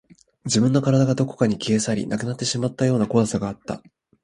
自分の体がどこかに消え去り、なくなってしまうような怖さがあった